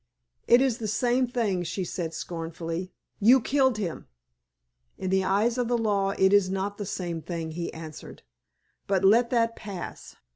"It is the same thing," she said, scornfully, "you killed him!" "In the eyes of the law it is not the same thing," he answered; "but let that pass.